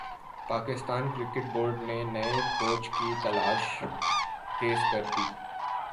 Pakistan cricket board نے نئے coach کی تلاش تیز کر دی